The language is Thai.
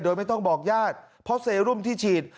โดยไม่ต้องบอกญาติเพราะเซรุมที่ฉีด